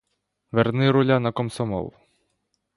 Верни руля на комсомол!